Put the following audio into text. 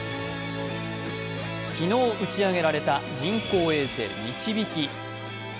昨日打ち上げられた人工衛星「みちびき」。